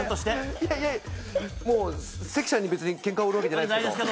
いやいやもう関さんに別にケンカ売るわけではないですけど